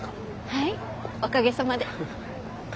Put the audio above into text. はいおかげさまで。